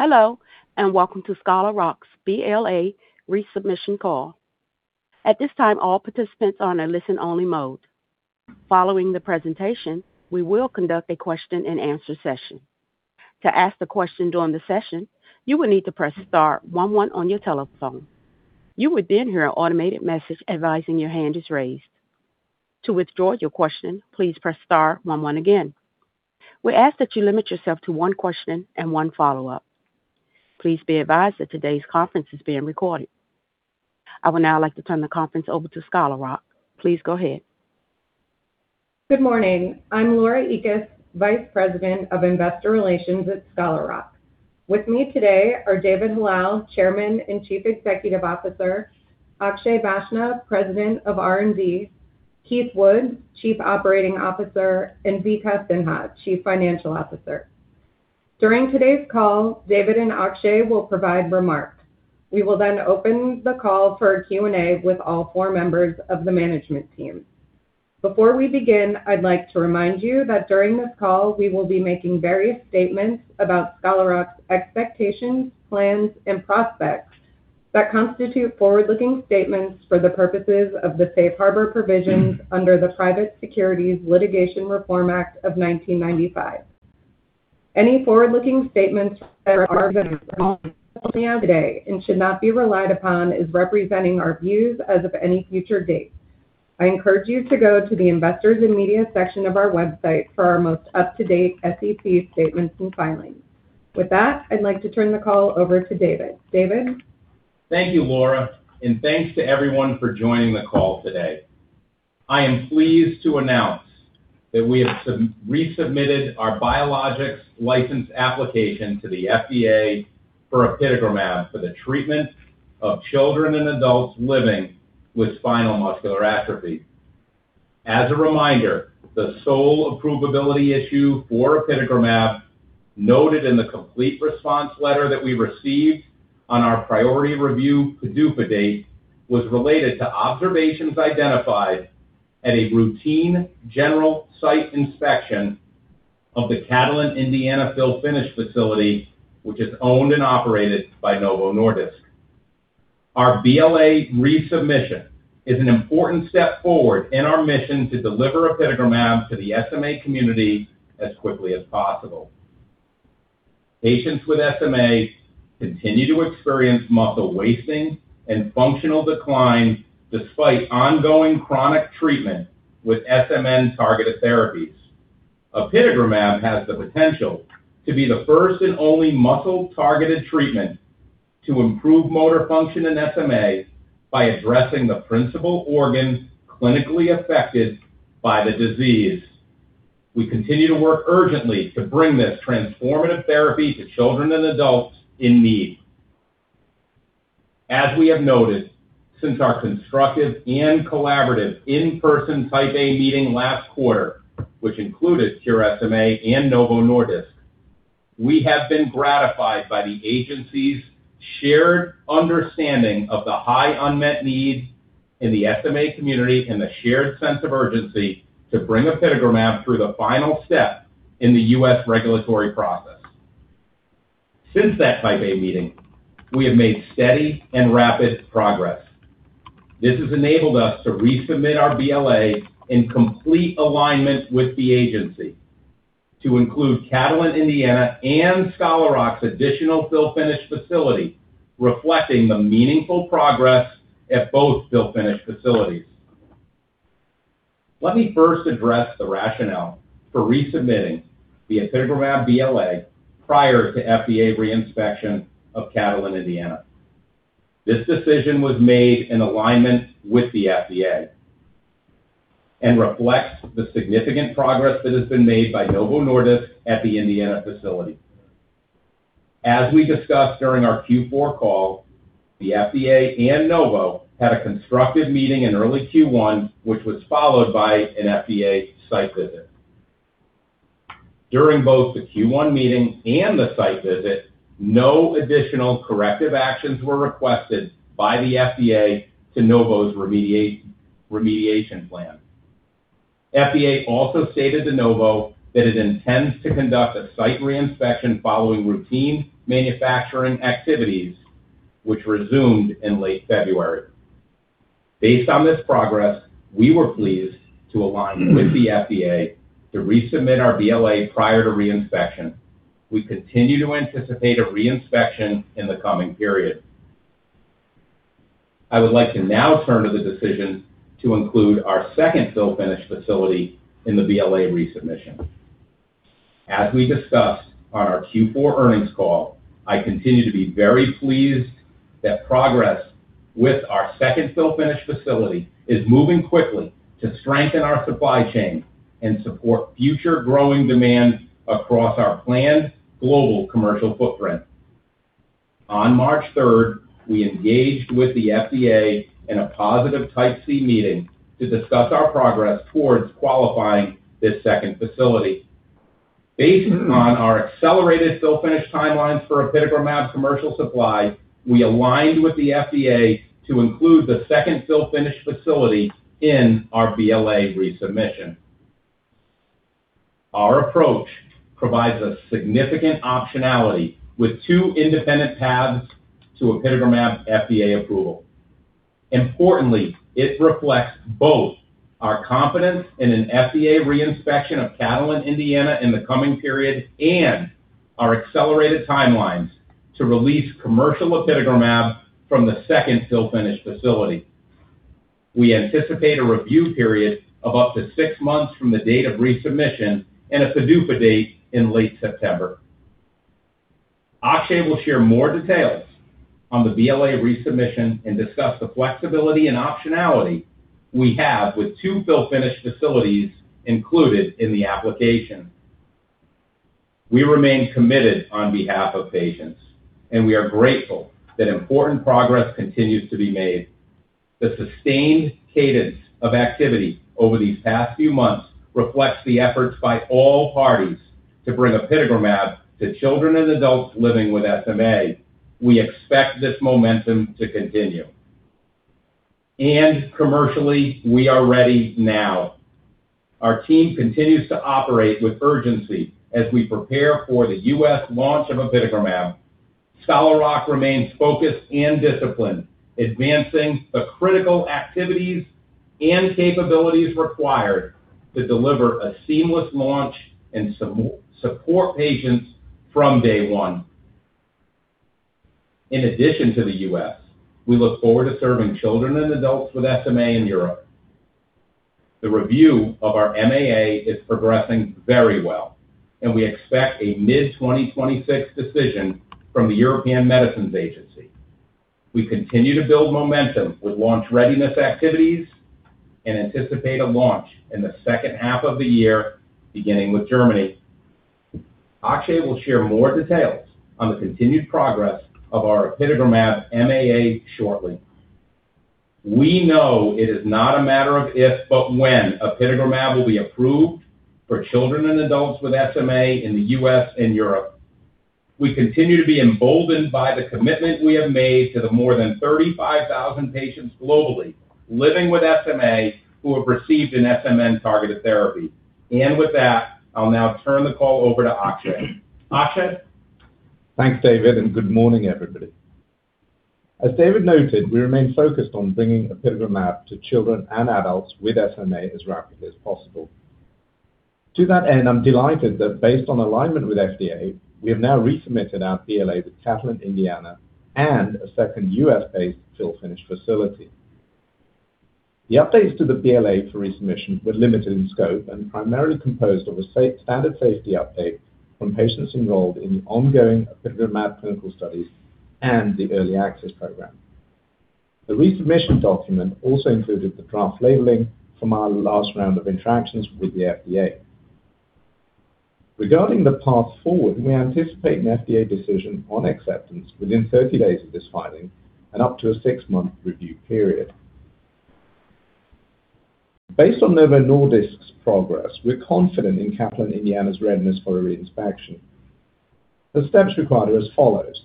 Hello, and welcome to Scholar Rock's BLA resubmission call. At this time, all participants are in a listen-only mode. Following the presentation, we will conduct a question-and-answer session. To ask the question during the session, you will need to press star one one on your telephone. You would then hear an automated message advising your hand is raised. To withdraw your question, please press star one one again. We ask that you limit yourself to one question and one follow-up. Please be advised that today's conference is being recorded. I would now like to turn the conference over to Scholar Rock. Please go ahead. Good morning. I'm Laura Ekas, Vice President of Investor Relations at Scholar Rock. With me today are David Hallal, Chairman and Chief Executive Officer, Akshay Vaishnaw, President of R&D, Keith Woods, Chief Operating Officer, and Vikas Sinha, Chief Financial Officer. During today's call, David and Akshay will provide remarks. We will then open the call for Q&A with all four members of the management team. Before we begin, I'd like to remind you that during this call, we will be making various statements about Scholar Rock's expectations, plans, and prospects that constitute forward-looking statements for the purposes of the Safe Harbor Provisions under the Private Securities Litigation Reform Act of 1995. Any forward-looking statements that are made only today and should not be relied upon as representing our views as of any future date. I encourage you to go to the Investors and Media section of our website for our most up-to-date SEC statements and filings. With that, I'd like to turn the call over to David. David. Thank you, Laura, and thanks to everyone for joining the call today. I am pleased to announce that we have sub-resubmitted our Biologics License Application to the FDA for Apitegromab for the treatment of children and adults living with spinal muscular atrophy. As a reminder, the sole approvability issue for Apitegromab noted in the complete response letter that we received on our priority review PDUFA date was related to observations identified at a routine general site inspection of the Catalent Indiana fill-finish facility, which is owned and operated by Novo Nordisk. Our BLA resubmission is an important step forward in our mission to deliver Apitegromab to the SMA community as quickly as possible. Patients with SMA continue to experience muscle wasting and functional decline despite ongoing chronic treatment with SMN-targeted therapies. Apitegromab has the potential to be the first and only muscle-targeted treatment to improve motor function in SMA by addressing the principal organs clinically affected by the disease. We continue to work urgently to bring this transformative therapy to children and adults in need. As we have noted, since our constructive and collaborative in-person Type A meeting last quarter, which included Cure SMA and Novo Nordisk, we have been gratified by the agency's shared understanding of the high unmet need in the SMA community and the shared sense of urgency to bring Apitegromab through the final step in the U.S. regulatory process. Since that Type A meeting, we have made steady and rapid progress. This has enabled us to resubmit our BLA in complete alignment with the agency to include Catalent Indiana and Scholar Rock's additional fill-finish facility, reflecting the meaningful progress at both fill-finish facilities. Let me first address the rationale for resubmitting the Apitegromab BLA prior to FDA reinspection of Catalent Indiana. This decision was made in alignment with the FDA and reflects the significant progress that has been made by Novo Nordisk at the Indiana facility. As we discussed during our Q4 call, the FDA and Novo had a constructive meeting in early Q1, which was followed by an FDA site visit. During both the Q1 meeting and the site visit, no additional corrective actions were requested by the FDA to Novo's remediation plan. FDA also stated to Novo that it intends to conduct a site reinspection following routine manufacturing activities, which resumed in late February. Based on this progress, we were pleased to align with the FDA to resubmit our BLA prior to reinspection. We continue to anticipate a reinspection in the coming period. I would like to now turn to the decision to include our second fill-finish facility in the BLA resubmission. As we discussed on our Q4 earnings call, I continue to be very pleased that progress with our second fill-finish facility is moving quickly to strengthen our supply chain and support future growing demand across our planned global commercial footprint. On March 3rd, we engaged with the FDA in a positive Type C meeting to discuss our progress towards qualifying this second facility. Based on our accelerated fill-finish timelines for Apitegromab commercial supply, we aligned with the FDA to include the second fill-finish facility in our BLA resubmission. Our approach provides a significant optionality with two independent paths to Apitegromab FDA approval. Importantly, it reflects both our confidence in an FDA re-inspection of Catalent Indiana in the coming period and our accelerated timelines to release commercial Apitegromab from the second fill-finish facility. We anticipate a review period of up to six months from the date of resubmission and a PDUFA date in late September. Akshay will share more details on the BLA resubmission and discuss the flexibility and optionality we have with two fill-finish facilities included in the application. We remain committed on behalf of patients, and we are grateful that important progress continues to be made. The sustained cadence of activity over these past few months reflects the efforts by all parties to bring Apitegromab to children and adults living with SMA. We expect this momentum to continue. Commercially, we are ready now. Our team continues to operate with urgency as we prepare for the U.S. launch of Apitegromab. Scholar Rock remains focused and disciplined, advancing the critical activities and capabilities required to deliver a seamless launch and support patients from day one. In addition to the U.S., we look forward to serving children and adults with SMA in Europe. The review of our MAA is progressing very well, and we expect a mid-2026 decision from the European Medicines Agency. We continue to build momentum with launch readiness activities and anticipate a launch in the second half of the year, beginning with Germany. Akshay will share more details on the continued progress of our Apitegromab MAA shortly. We know it is not a matter of if, but when Apitegromab will be approved for children and adults with SMA in the U.S. and Europe. We continue to be emboldened by the commitment we have made to the more than 35,000 patients globally living with SMA who have received an SMN-targeted therapy. With that, I'll now turn the call over to Akshay. Akshay? Thanks, David, and good morning, everybody. As David noted, we remain focused on bringing Apitegromab to children and adults with SMA as rapidly as possible. To that end, I'm delighted that based on alignment with FDA, we have now resubmitted our BLA with Catalent Indiana and a second U.S.-based fill-finish facility. The updates to the BLA for resubmission were limited in scope and primarily composed of a standard safety update from patients enrolled in the ongoing Apitegromab clinical studies and the early access program. The resubmission document also included the draft labeling from our last round of interactions with the FDA. Regarding the path forward, we anticipate an FDA decision on acceptance within 30 days of this filing and up to a six-month review period. Based on Novo Nordisk's progress, we're confident in Catalent Indiana's readiness for a re-inspection. The steps required are as follows.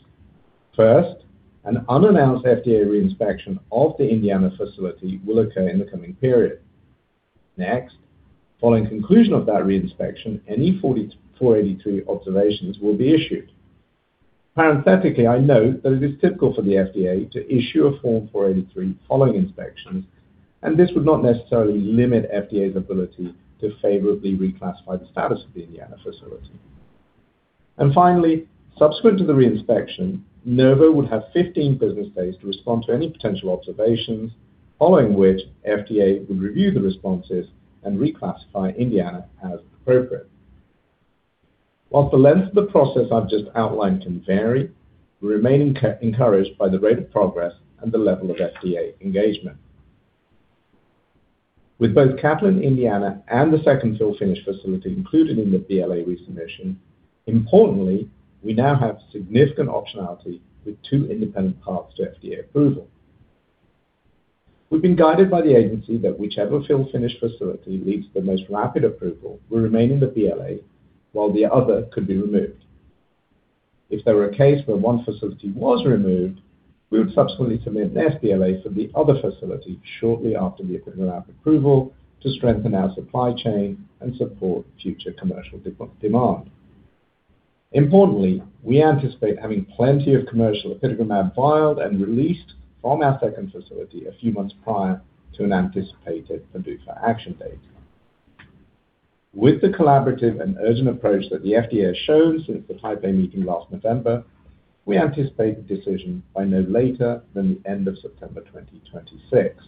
First, an unannounced FDA re-inspection of the Indiana facility will occur in the coming period. Next, following conclusion of that re-inspection, any Form 483 observations will be issued. Parenthetically, I note that it is typical for the FDA to issue a Form 483 following inspection, and this would not necessarily limit FDA's ability to favorably reclassify the status of the Indiana facility. Finally, subsequent to the re-inspection, Novo would have 15 business days to respond to any potential observations, following which FDA would review the responses and reclassify Indiana as appropriate. While the length of the process I've just outlined can vary, we remain encouraged by the rate of progress and the level of FDA engagement. With both Catalent Indiana and the second fill-finish facility included in the BLA resubmission, importantly, we now have significant optionality with two independent paths to FDA approval. We've been guided by the agency that whichever fill-finish facility leads to the most rapid approval will remain in the BLA while the other could be removed. If there were a case where one facility was removed, we would subsequently submit an sBLA for the other facility shortly after the Apitegromab approval to strengthen our supply chain and support future commercial demand. Importantly, we anticipate having plenty of commercial Apitegromab filled and released from our second facility a few months prior to an anticipated PDUFA action date. With the collaborative and urgent approach that the FDA has shown since the Type A meeting last November, we anticipate the decision by no later than the end of September 2026.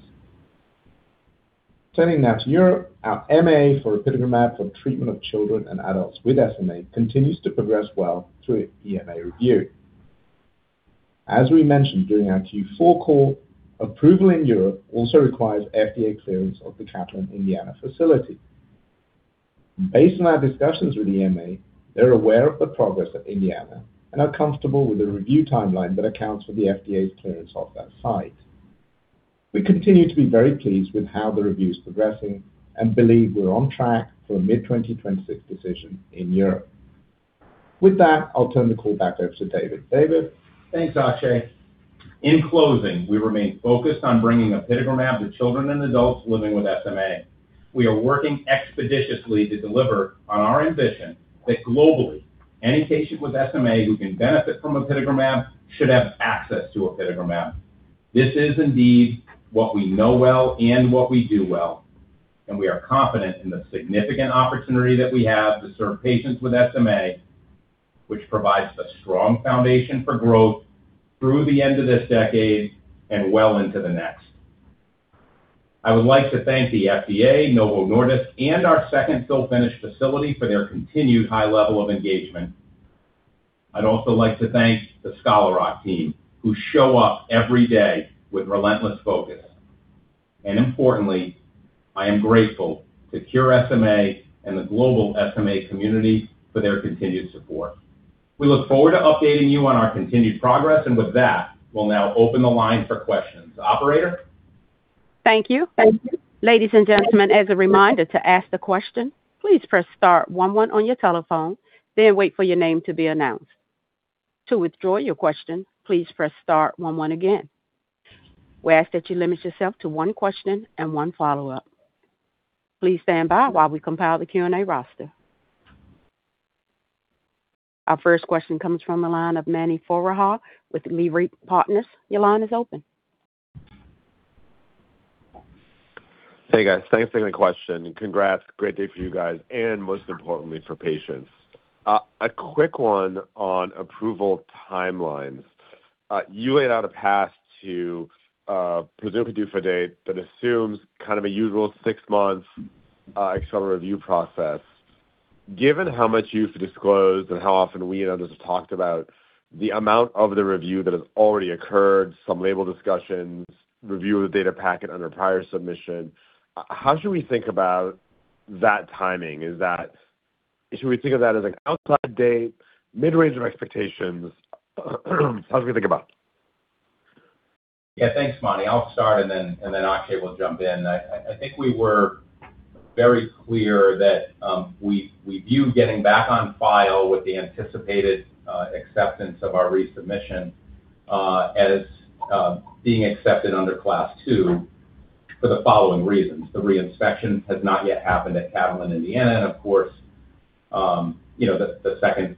Turning now to Europe, our MAA for Apitegromab for treatment of children and adults with SMA continues to progress well through EMA review. As we mentioned during our Q4 call, approval in Europe also requires FDA clearance of the Catalent Indiana facility. Based on our discussions with EMA, they're aware of the progress at Indiana and are comfortable with the review timeline that accounts for the FDA's clearance of that site. We continue to be very pleased with how the review is progressing and believe we're on track for a mid-2026 decision in Europe. With that, I'll turn the call back over to David. David? Thanks, Akshay. In closing, we remain focused on bringing Apitegromab to children and adults living with SMA. We are working expeditiously to deliver on our ambition that globally, any patient with SMA who can benefit from Apitegromab should have access to Apitegromab. This is indeed what we know well and what we do well, and we are confident in the significant opportunity that we have to serve patients with SMA, which provides a strong foundation for growth through the end of this decade and well into the next. I would like to thank the FDA, Novo Nordisk, and our second fill-finish facility for their continued high level of engagement. I'd also like to thank the Scholar Rock team, who show up every day with relentless focus. Importantly, I am grateful to Cure SMA and the global SMA community for their continued support. We look forward to updating you on our continued progress. With that, we'll now open the line for questions. Operator? Thank you. Ladies, and gentlemen, as a reminder to ask the question, please press star one one on your telephone, then wait for your name to be announced. To withdraw your question, please press star one one again. We ask that you limit yourself to one question and one follow-up. Please stand by while we compile the Q&A roster. Our first question comes from the line of Mani Foroohar with Leerink Partners. Your line is open. Hey, guys. Thanks for taking the question. Congrats. Great day for you guys and most importantly for patients. A quick one on approval timelines. You laid out a path to, presumably PDUFA date that assumes kind of a usual six months, external review process. Given how much you've disclosed and how often we and others have talked about the amount of the review that has already occurred, some label discussions, review of the data packet under prior submission, how should we think about that timing? Is that? Should we think of that as an outside date, mid-range of expectations? How should we think about it? Yeah. Thanks, Mani. I'll start, and then Akshay will jump in. I think we were very clear that we view getting back on file with the anticipated acceptance of our resubmission as being accepted under Class 2 for the following reasons: The reinspection has not yet happened at Catalent, Indiana, and of course, you know, the second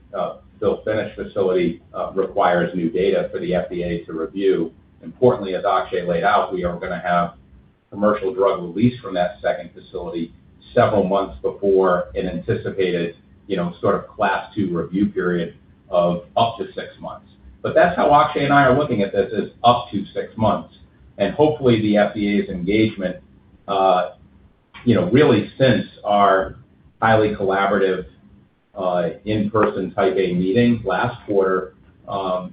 fill-finish facility requires new data for the FDA to review. Importantly, as Akshay laid out, we are gonna have commercial drug release from that second facility several months before an anticipated, you know, sort of Class 2 review period of up to six months. But that's how Akshay and I are looking at this, is up to six months. Hopefully, the FDA's engagement, you know, really since our highly collaborative, in-person Type A meeting last quarter,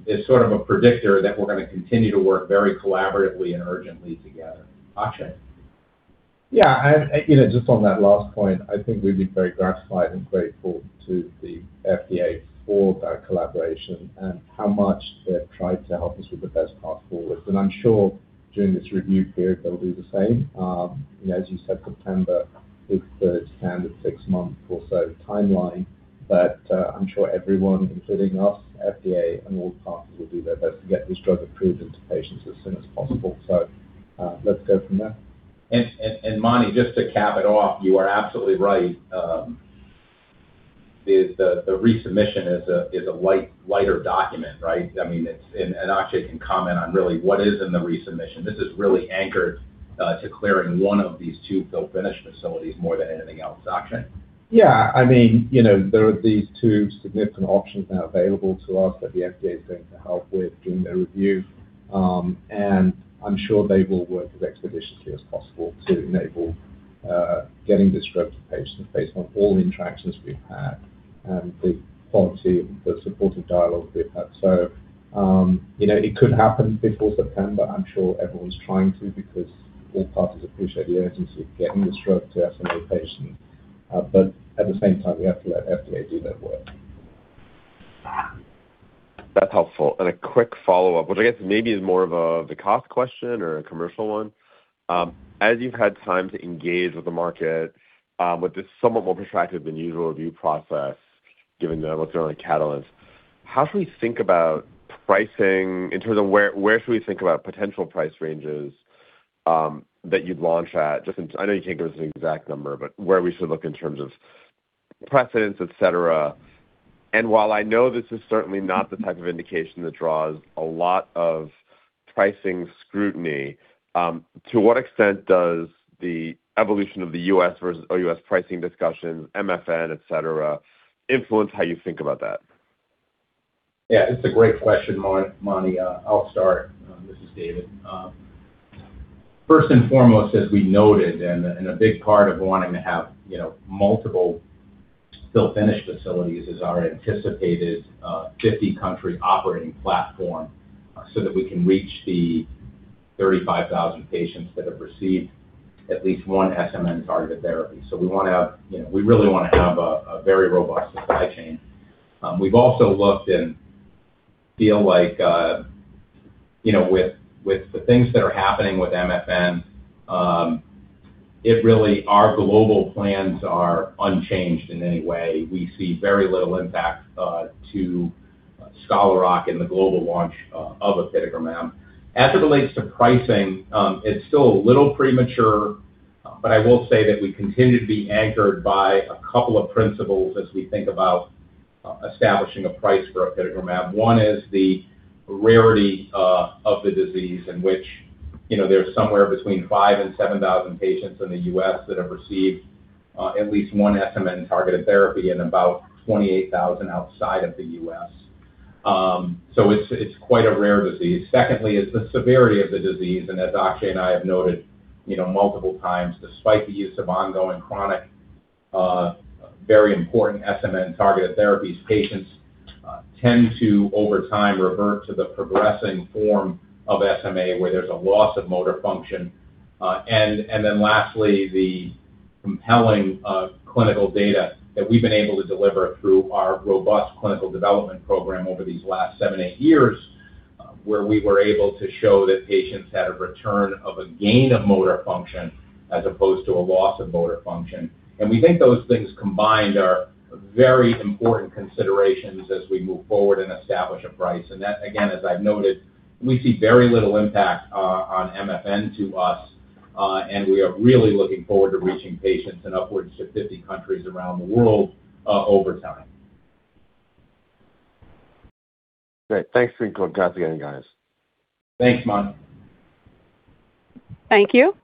is sort of a predictor that we're gonna continue to work very collaboratively and urgently together. Akshay. Yeah. You know, just on that last point, I think we'd be very gratified and grateful to the FDA for their collaboration and how much they've tried to help us with the best path forward. I'm sure during this review period, they'll do the same. You know, as you said, September is the standard six-month or so timeline, but I'm sure everyone, including us, FDA and all parties, will do their best to get this drug approved into patients as soon as possible. Let's go from there. Mani, just to cap it off, you are absolutely right. The resubmission is a lighter document, right? I mean, Akshay can comment on really what is in the resubmission. This is really anchored to clearing one of these two fill-finish facilities more than anything else. Akshay. Yeah. I mean, you know, there are these two significant options now available to us that the FDA is going to help with during their review. I'm sure they will work as expeditiously as possible to enable getting this drug to patients based on all the interactions we've had and the quality of the supportive dialogue we've had. You know, it could happen before September. I'm sure everyone's trying to because all parties appreciate the urgency of getting this drug to SMA patients. At the same time, we have to let FDA do their work. That's helpful. A quick follow-up, which I guess maybe is more of the cost question or a commercial one. As you've had time to engage with the market, with this somewhat more protracted than usual review process, given the regulatory catalyst, how should we think about pricing in terms of where we should think about potential price ranges that you'd launch at? I know you can't give us an exact number, but where we should look in terms of precedents, et cetera. While I know this is certainly not the type of indication that draws a lot of pricing scrutiny, to what extent does the evolution of the U.S. versus OUS pricing discussion, MFN, et cetera, influence how you think about that? Yeah, it's a great question, Mani. I'll start. This is David. First and foremost, as we noted, a big part of wanting to have, you know, multiple fill-finish facilities is our anticipated 50-country operating platform, so that we can reach the 35,000 patients that have received at least one SMN-targeted therapy. We wanna have, you know, we really wanna have a very robust supply chain. We also feel like, you know, with the things that are happening with MFN, it really our global plans are unchanged in any way. We see very little impact to Scholar Rock in the global launch of Apitegromab. As it relates to pricing, it's still a little premature, but I will say that we continue to be anchored by a couple of principles as we think about establishing a price for Apitegromab. One is the rarity of the disease in which, you know, there's somewhere between 5,000 and 7,000 patients in the U.S. that have received at least one SMN-targeted therapy and about 28,000 outside of the U.S. So it's quite a rare disease. Secondly, is the severity of the disease, and as Akshay and I have noted, you know, multiple times, despite the use of ongoing chronic very important SMN-targeted therapies, patients tend to, over time, revert to the progressing form of SMA, where there's a loss of motor function. Lastly, the compelling clinical data that we've been able to deliver through our robust clinical development program over these last seven, eight years, where we were able to show that patients had a return or gain of motor function as opposed to a loss of motor function. We think those things combined are very important considerations as we move forward and establish a price. That, again, as I've noted, we see very little impact on MFN to us, and we are really looking forward to reaching patients in upwards to 50 countries around the world over time. Great. Thanks again, guys. Thanks, Mani. Thank you.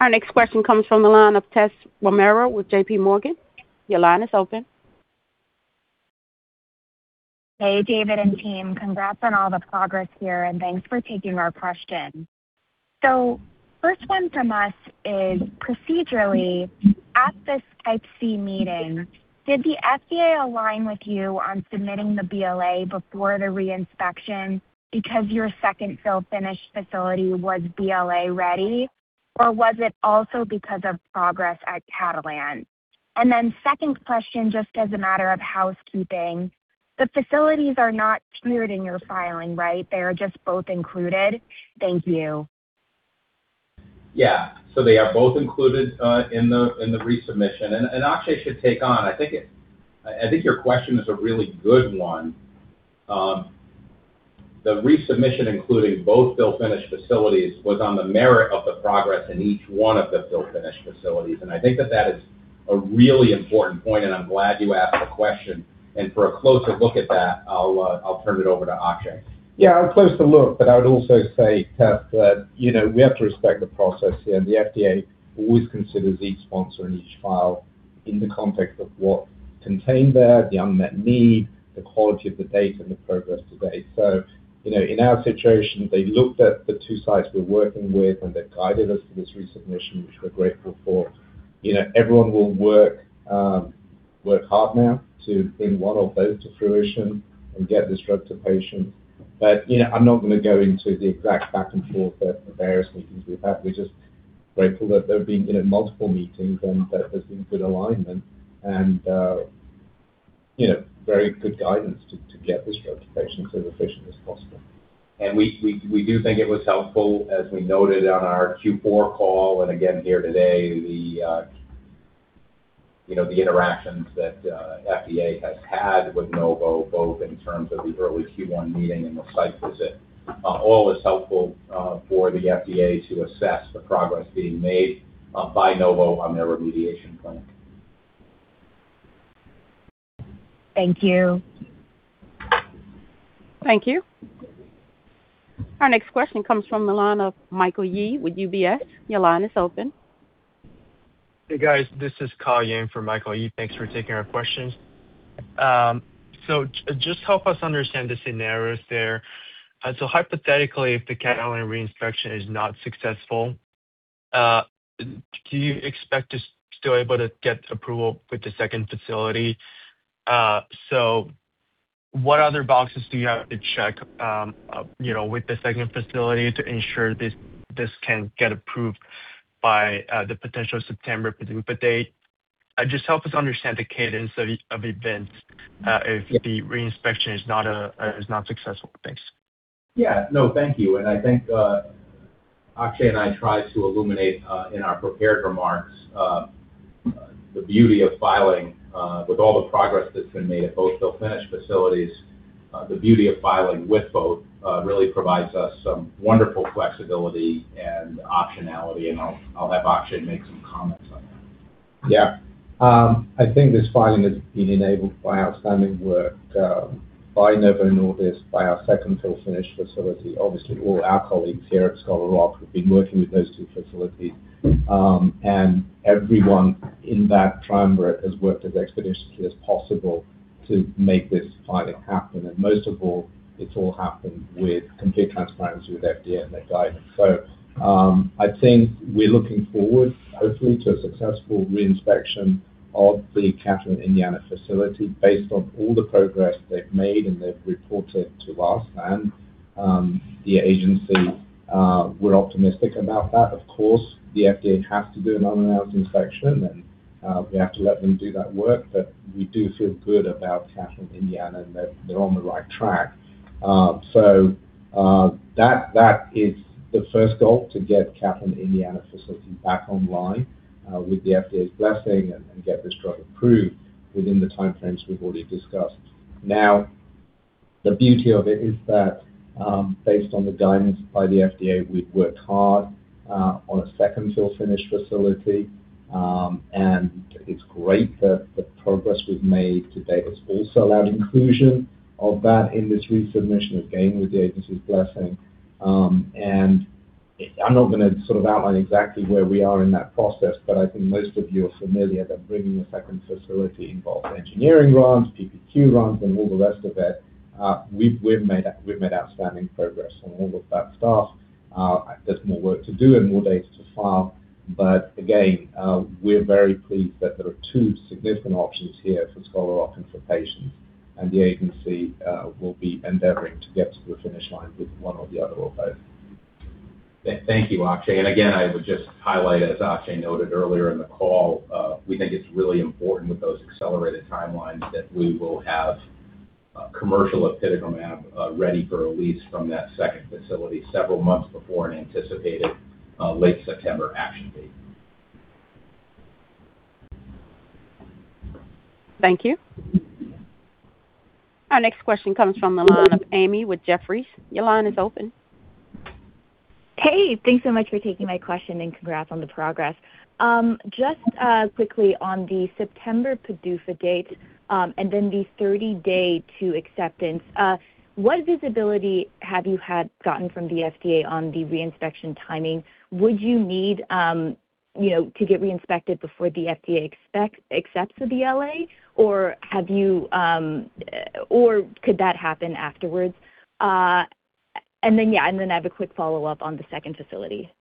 Our next question comes from the line of Tess Romero with JPMorgan. Your line is open. Hey, David and team. Congrats on all the progress here, and thanks for taking our question. First one from us is, procedurally, at this Type C meeting, did the FDA align with you on submitting the BLA before the reinspection because your second fill-finish facility was BLA ready, or was it also because of progress at Catalent? Second question, just as a matter of housekeeping, the facilities are not tiered in your filing, right? They are just both included. Thank you. Yeah. They are both included in the resubmission. Akshay should take on. I think your question is a really good one. The resubmission, including both fill-finish facilities, was on the merit of the progress in each one of the fill-finish facilities. I think that is a really important point, and I'm glad you asked the question. For a closer look at that, I'll turn it over to Akshay. Yeah, a closer look, but I would also say, Tess, that, you know, we have to respect the process here. The FDA always considers each sponsor and each file in the context of what's contained there, the unmet need, the quality of the data, and the progress to date. You know, in our situation, they looked at the two sites we're working with, and they've guided us to this resubmission, which we're grateful for. You know, everyone will work hard now to bring one or both to fruition and get this drug to patients. You know, I'm not going to go into the exact back and forth at the various meetings we've had. We're just grateful that there have been, you know, multiple meetings and that there's been good alignment and, you know, very good guidance to get this drug to patients as efficient as possible. We do think it was helpful, as we noted on our Q4 call and again here today, you know, the interactions that FDA has had with Novo, both in terms of the early Q1 meeting and the site visit. All is helpful for the FDA to assess the progress being made by Novo on their remediation plan. Thank you. Thank you. Our next question comes from the line of Michael Yee with UBS. Your line is open. Hey, guys. This is Kyle Yang for Michael Yee. Thanks for taking our questions. Just help us understand the scenarios there. Hypothetically, if the Catalent reinspection is not successful, do you expect to still able to get approval with the second facility? What other boxes do you have to check, you know, with the second facility to ensure this can get approved by the potential September PDUFA date? Just help us understand the cadence of events if the reinspection is not successful. Thanks. Yeah. No, thank you. I think Akshay and I tried to illuminate in our prepared remarks the beauty of filing with all the progress that's been made at both fill-finish facilities. The beauty of filing with both really provides us some wonderful flexibility and optionality, and I'll have Akshay make some comments on that. Yeah. I think this filing has been enabled by outstanding work, by Novo Nordisk, by our second fill-finish facility. Obviously, all our colleagues here at Scholar Rock have been working with those two facilities. Everyone in that triumvirate has worked as expeditiously as possible to make this filing happen. Most of all, it's all happened with complete transparency with FDA and their guidance. I think we're looking forward, hopefully, to a successful reinspection of the Catalent Indiana facility based on all the progress they've made, and they've reported to us and the agency. We're optimistic about that. Of course, the FDA has to do an unannounced inspection and we have to let them do that work, but we do feel good about Catalent Indiana, and that they're on the right track. That is the first goal, to get Catalent Indiana facility back online, with the FDA's blessing and get this drug approved within the time frames we've already discussed. Now, the beauty of it is that, based on the guidance by the FDA, we've worked hard on a second fill-finish facility, and it's great the progress we've made to date has also allowed inclusion of that in this resubmission. Again, with the agency's blessing. I'm not gonna sort of outline exactly where we are in that process, but I think most of you are familiar that bringing a second facility involves engineering runs, PPQ runs, and all the rest of it. We've made outstanding progress on all of that stuff. There's more work to do and more data to file. Again, we're very pleased that there are two significant options here for Apitegromab for patients, and the agency will be endeavoring to get to the finish line with one or the other, or both. Thank you, Akshay. I would just highlight, as Akshay noted earlier in the call, we think it's really important with those accelerated timelines that we will have, commercial Apitegromab ready for release from that second facility several months before an anticipated, late September action date. Thank you. Our next question comes from the line of Amy Li with Jefferies. Your line is open. Hey, thanks so much for taking my question, and congrats on the progress. Just quickly on the September PDUFA date, and then the 30-day to acceptance. What visibility have you had gotten from the FDA on the re-inspection timing? Would you need to get re-inspected before the FDA accepts the BLA? Or could that happen afterwards? I have a quick follow-up on the second facility.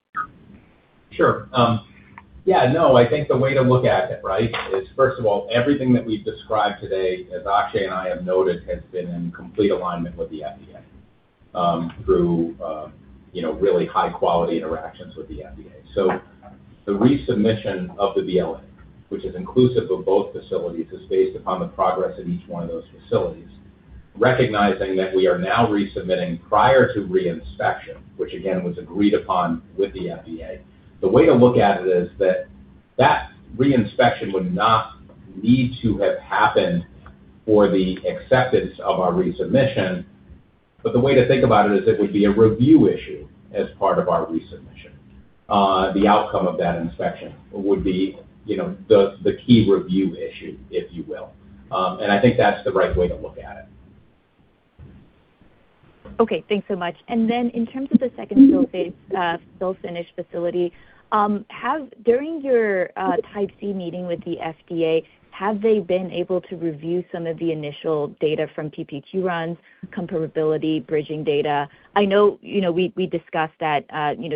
Sure. Yeah, no, I think the way to look at it, right, is, first of all, everything that we've described today, as Akshay and I have noted, has been in complete alignment with the FDA, through you know, really high-quality interactions with the FDA. The resubmission of the BLA, which is inclusive of both facilities, is based upon the progress of each one of those facilities. Recognizing that we are now resubmitting prior to re-inspection, which again, was agreed upon with the FDA, the way to look at it is that that re-inspection would not need to have happened for the acceptance of our resubmission. The way to think about it is it would be a review issue as part of our resubmission. The outcome of that inspection would be, you know, the key review issue, if you will. I think that's the right way to look at it. Okay. Thanks so much. In terms of the second fill phase, fill-finish facility, during your Type C meeting with the FDA, have they been able to review some of the initial data from PPQ runs, comparability, bridging data? I know, you know, we discussed that, you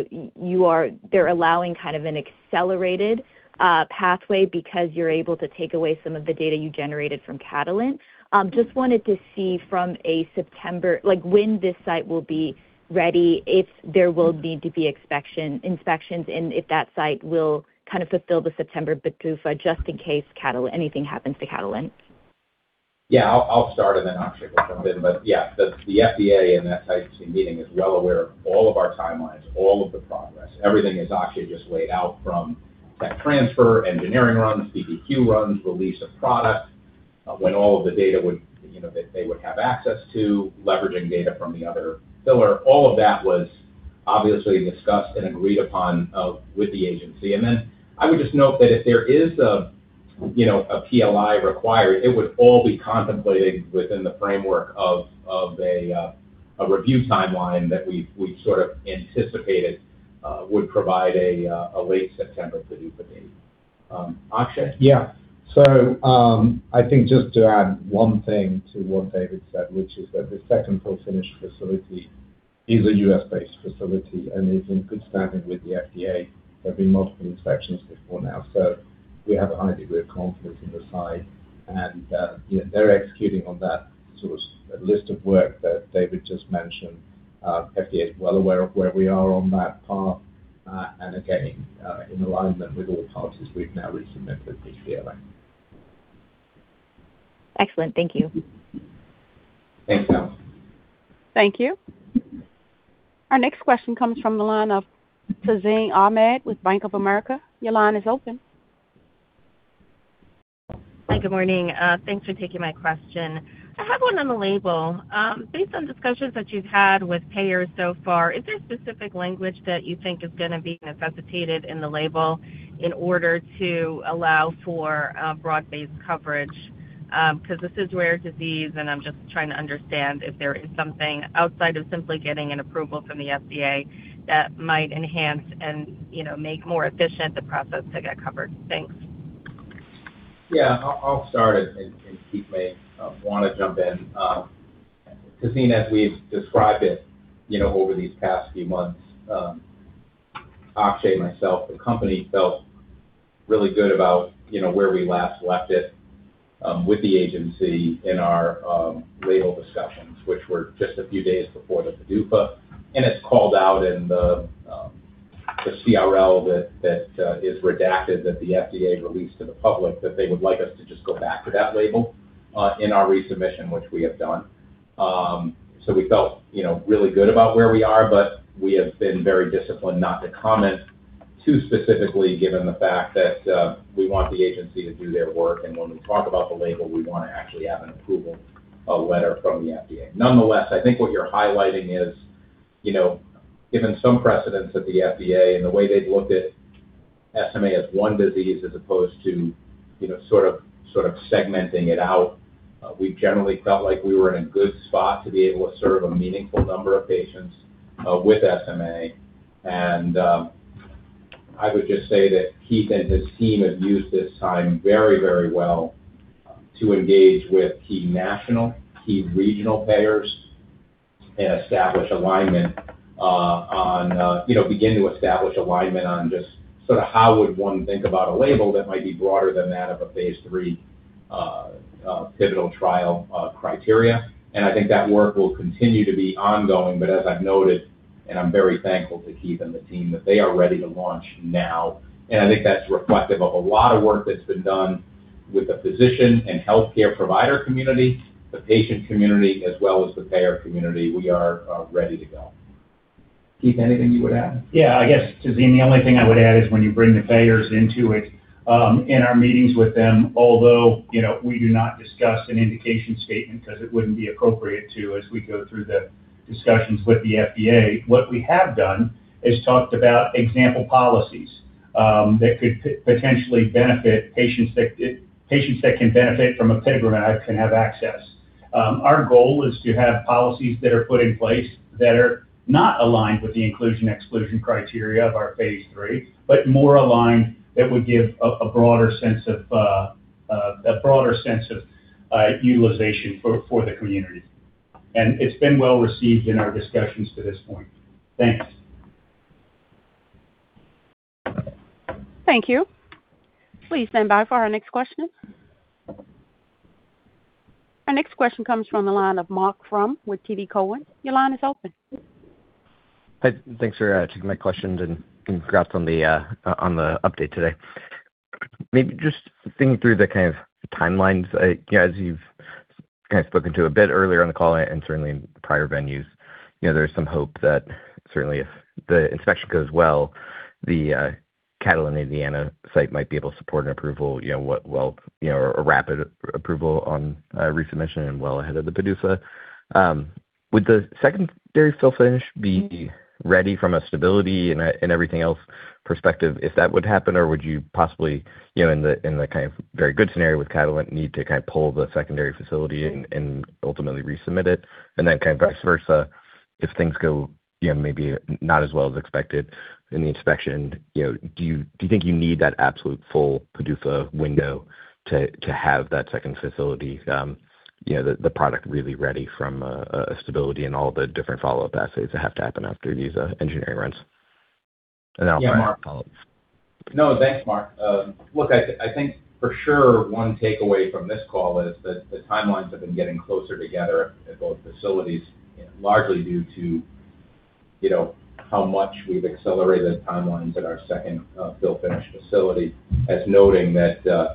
know, they're allowing kind of an accelerated pathway because you're able to take away some of the data you generated from Catalent. Just wanted to see from a September, like when this site will be ready, if there will need to be inspections and if that site will kind of fulfill the September PDUFA, just in case anything happens to Catalent. Yeah, I'll start and then Akshay can jump in. Yeah, the FDA in that Type C meeting is well aware of all of our timelines, all of the progress. Everything is actually just laid out from tech transfer, engineering runs, PPQ runs, release of product, when all of the data would, you know, they would have access to, leveraging data from the other filler. All of that was obviously discussed and agreed upon with the agency. I would just note that if there is a, you know, a PAI required, it would all be contemplated within the framework of a review timeline that we've sort of anticipated would provide a late September PDUFA date. Akshay? Yeah. I think just to add one thing to what David said, which is that the second fill-finish facility is a U.S.-based facility and is in good standing with the FDA. There have been multiple inspections before now, so we have a high degree of confidence in the site. Yeah, they're executing on that sort of list of work that David just mentioned. FDA is well aware of where we are on that path. In alignment with all parties, we've now resubmitted the BLA. Excellent. Thank you. Thanks, Amy. Thank you. Our next question comes from the line of Tazeen Ahmad with Bank of America. Your line is open. Hi, good morning. Thanks for taking my question. I have one on the label. Based on discussions that you've had with payers so far, is there specific language that you think is gonna be necessitated in the label in order to allow for broad-based coverage? 'Cause this is a rare disease, and I'm just trying to understand if there is something outside of simply getting an approval from the FDA that might enhance and, you know, make more efficient the process to get covered. Thanks. Yeah. I'll start it and Keith may wanna jump in. Tazeen, as we've described it, you know, over these past few months, Akshay and myself, the company felt really good about, you know, where we last left it. With the agency in our label discussions, which were just a few days before the PDUFA, and it's called out in the CRL that is redacted that the FDA released to the public that they would like us to just go back to that label in our resubmission, which we have done. We felt, you know, really good about where we are, but we have been very disciplined not to comment too specifically, given the fact that we want the agency to do their work. When we talk about the label, we wanna actually have an approval, a letter from the FDA. Nonetheless, I think what you're highlighting is, you know, given some precedents at the FDA and the way they've looked at SMA as one disease as opposed to, you know, sort of segmenting it out, we generally felt like we were in a good spot to be able to serve a meaningful number of patients with SMA. I would just say that Keith and his team have used this time very, very well to engage with key national, key regional payers and begin to establish alignment on just sort of how would one think about a label that might be broader than that of a phase III pivotal trial criteria. I think that work will continue to be ongoing. As I've noted, and I'm very thankful to Keith and the team that they are ready to launch now. I think that's reflective of a lot of work that's been done with the physician and healthcare provider community, the patient community, as well as the payer community. We are ready to go. Keith, anything you would add? Yeah, I guess, Tazeen, the only thing I would add is when you bring the payers into it in our meetings with them. Although, you know, we do not discuss an indication statement because it wouldn't be appropriate to as we go through the discussions with the FDA, what we have done is talked about example policies that could potentially benefit patients that patients that can benefit from Apitegromab can have access. Our goal is to have policies that are put in place that are not aligned with the inclusion, exclusion criteria of our phase III, but more aligned that would give a broader sense of utilization for the community. It's been well received in our discussions to this point. Thanks. Thank you. Please stand by for our next question. Our next question comes from the line of Marc Frahm with TD Cowen. Your line is open. Hi. Thanks for taking my questions, and congrats on the update today. Maybe just thinking through the kind of timelines, you know, as you've kind of spoken to a bit earlier on the call and certainly in prior venues. You know, there is some hope that certainly if the inspection goes well, the Catalent Indiana site might be able to support an approval, you know, or a rapid approval on a resubmission and well ahead of the PDUFA. Would the secondary fill-finish be ready from a stability and everything else perspective if that would happen? Or would you possibly, you know, in the kind of very good scenario with Catalent need to kind of pull the secondary facility and ultimately resubmit it? Kind of vice versa, if things go, you know, maybe not as well as expected in the inspection, you know, do you think you need that absolute full PDUFA window to have that second facility, you know, the product really ready from a stability and all the different follow-up assays that have to happen after these engineering runs? I'll fire a follow-up. No, thanks, Marc. Look, I think for sure one takeaway from this call is that the timelines have been getting closer together at both facilities, largely due to, you know, how much we've accelerated timelines at our second fill-finish facility, and noting that,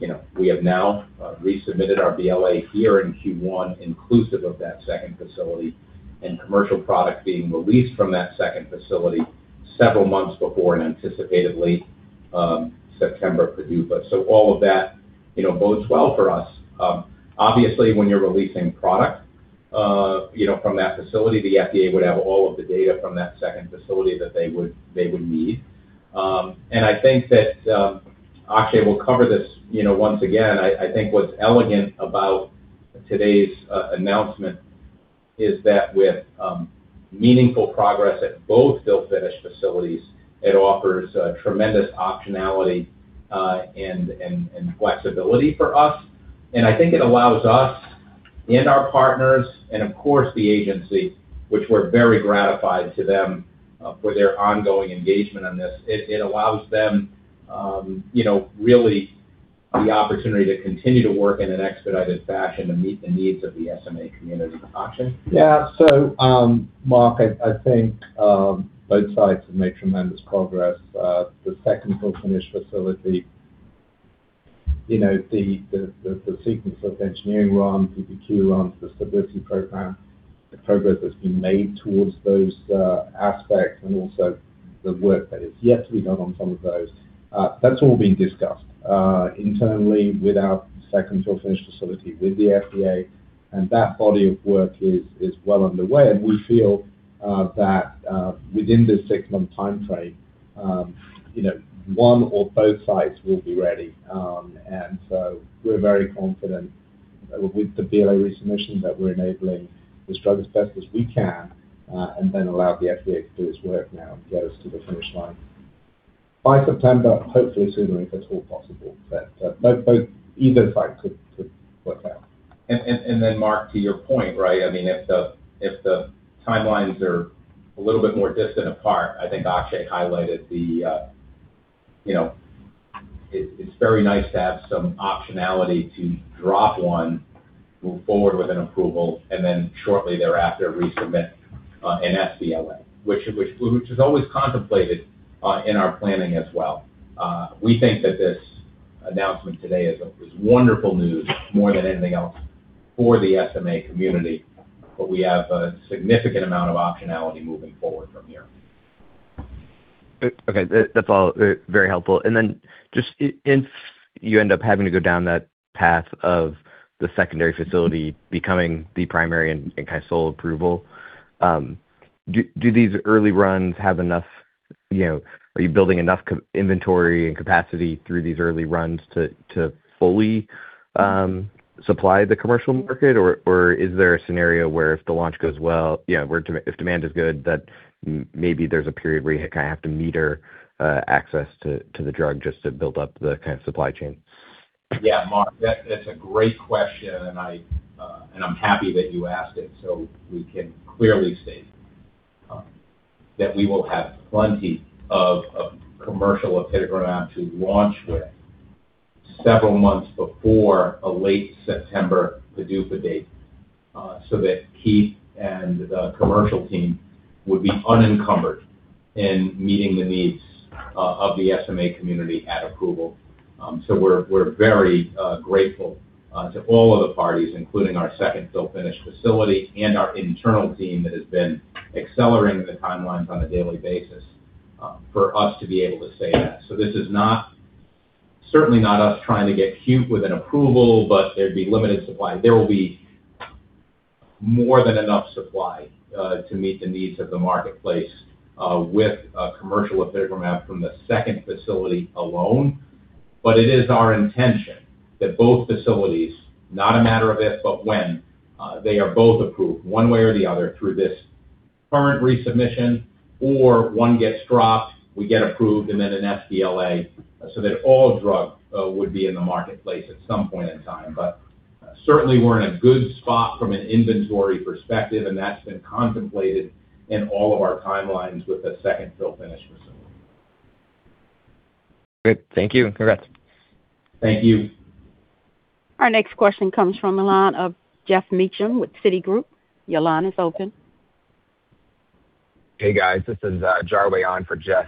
you know, we have now resubmitted our BLA here in Q1 inclusive of that second facility and commercial product being released from that second facility several months before an anticipated late September PDUFA. So all of that, you know, bodes well for us. Obviously, when you're releasing product, you know, from that facility, the FDA would have all of the data from that second facility that they would need. I think that Akshay will cover this, you know, once again. I think what's elegant about today's announcement is that with meaningful progress at both fill-finish facilities, it offers tremendous optionality and flexibility for us. I think it allows us and our partners and of course the agency, which we're very gratified to them, for their ongoing engagement on this, it allows them you know really the opportunity to continue to work in an expedited fashion to meet the needs of the SMA community. Akshay. Yeah. Marc, I think both sites have made tremendous progress. The second fill-finish facility, you know, the sequence of engineering runs, PPQ runs, the stability program, the progress that's been made towards those aspects and also the work that is yet to be done on some of those, that's all being discussed internally with our second fill-finish facility with the FDA. That body of work is well underway. We feel that within this six-month time frame, you know, one or both sites will be ready. We're very confident with the BLA resubmission that we're enabling this drug as best as we can, and then allow the FDA to do its work now and get us to the finish line by September, hopefully sooner, if at all possible. Either site could work out. Then Marc, to your point, right? I mean, if the timelines are a little bit more distant apart. I think Akshay highlighted the, it's very nice to have some optionality to drop one, move forward with an approval, and then shortly thereafter resubmit an sBLA, which was always contemplated in our planning as well. We think that this announcement today is wonderful news more than anything else for the SMA community, but we have a significant amount of optionality moving forward from here. Okay. That's all. Very helpful. Just if you end up having to go down that path of the secondary facility becoming the primary and kind of sole approval, do these early runs have enough, you know, are you building enough inventory and capacity through these early runs to fully supply the commercial market? Or is there a scenario where if the launch goes well, you know, where if demand is good, that maybe there's a period where you kind of have to meter access to the drug just to build up the kind of supply chain? Yeah, Marc, that's a great question, and I'm happy that you asked it so we can clearly state that we will have plenty of commercial Apitegromab to launch with several months before a late September PDUFA date, so that Keith and the commercial team would be unencumbered in meeting the needs of the SMA community at approval. We're very grateful to all of the parties, including our second fill-finish facility and our internal team that has been accelerating the timelines on a daily basis, for us to be able to say that. This is not, certainly not us trying to get cute with an approval, but there'd be limited supply. There will be more than enough supply to meet the needs of the marketplace with a commercial Apitegromab from the second facility alone. It is our intention that both facilities, not a matter of if, but when, they are both approved one way or the other through this current resubmission or one gets dropped, we get approved, and then an sBLA so that all drug would be in the marketplace at some point in time. Certainly we're in a good spot from an inventory perspective, and that's been contemplated in all of our timelines with the second fill-finish facility. Great. Thank you, and congrats. Thank you. Our next question comes from the line of Geoff Meacham with Citigroup. Your line is open. Hey, guys. This is Jarwei on for Geoff.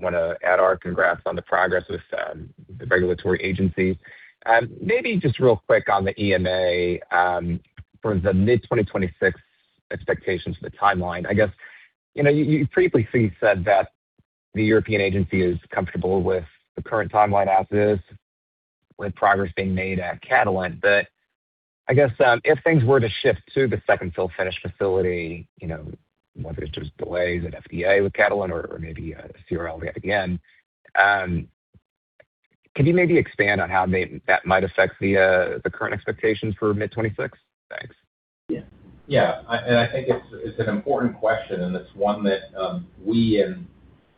Want to add our congrats on the progress with the regulatory agencies. Maybe just real quick on the EMA for the mid-2026 expectations for the timeline. I guess, you know, you previously said that the European agency is comfortable with the current timeline as is with progress being made at Catalent. But I guess, if things were to shift to the second fill-finish facility, you know, whether it's just delays at FDA with Catalent or maybe CRL again, could you maybe expand on how that might affect the current expectations for mid-2026? Thanks. Yeah. I think it's an important question, and it's one that we and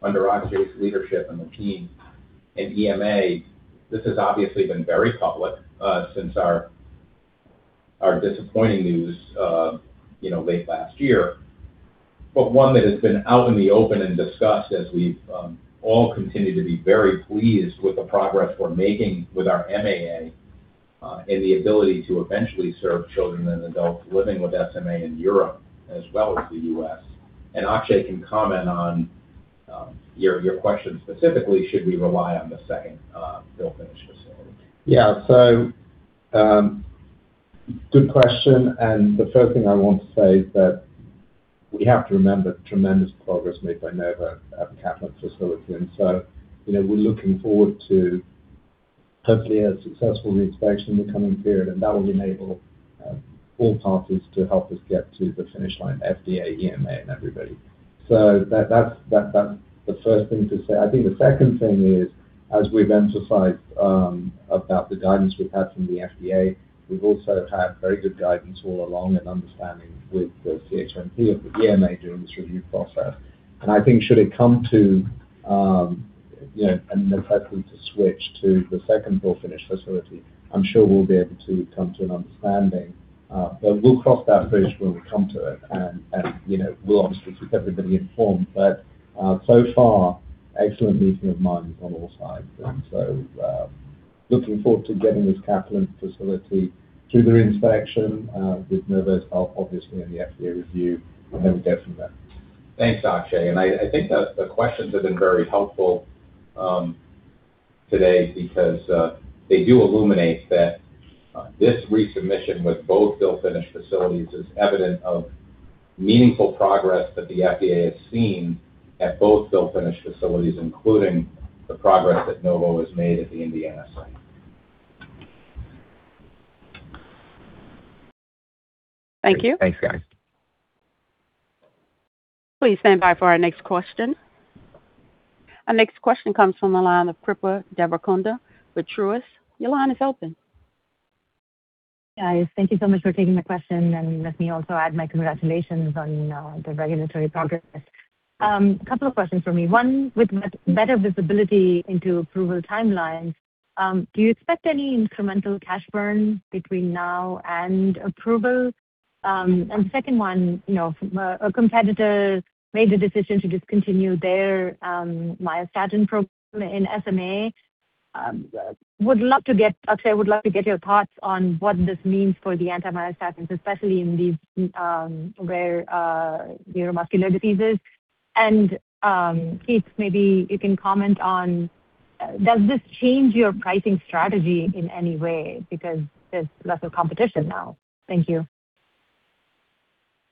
under Akshay's leadership and the team and EMA, this has obviously been very public, since our disappointing news, you know, late last year. One that has been out in the open and discussed as we've all continued to be very pleased with the progress we're making with our MAA, and the ability to eventually serve children and adults living with SMA in Europe as well as the U.S. Akshay can comment on your question specifically, should we rely on the second fill-finish facility? Yeah. Good question, and the first thing I want to say is that we have to remember the tremendous progress made by Novo at the Catalent facility. You know, we're looking forward to hopefully a successful reinspection in the coming period, and that will enable all parties to help us get to the finish line, FDA, EMA, and everybody. That's the first thing to say. I think the second thing is, as we've emphasized, about the guidance we've had from the FDA, we've also had very good guidance all along and understanding with the CHMP of the EMA during this review process. I think should it come to, you know, a necessity to switch to the second fill-finish facility, I'm sure we'll be able to come to an understanding. We'll cross that bridge when we come to it. You know, we'll obviously keep everybody informed. So far, excellent meeting of minds on all sides. Looking forward to getting this Catalent facility through their inspection with Novo's help, obviously, and the FDA review, and then we'll go from there. Thanks, Akshay. I think the questions have been very helpful today because they do illuminate that this resubmission with both fill-finish facilities is evident of meaningful progress that the FDA has seen at both fill-finish facilities, including the progress that Novo has made at the Indiana site. Thank you. Thanks, guys. Please stand by for our next question. Our next question comes from the line of Kripa Devarakonda with Truist Securities. Your line is open. Guys, thank you so much for taking my question and let me also add my congratulations on the regulatory progress. A couple of questions for me. One, with better visibility into approval timelines, do you expect any incremental cash burn between now and approval? Second one, you know, a competitor made the decision to discontinue their myostatin program in SMA. Akshay, I would love to get your thoughts on what this means for the anti-myostatin, especially in these rare neuromuscular diseases. Keith, maybe you can comment on does this change your pricing strategy in any way because there's lesser competition now? Thank you.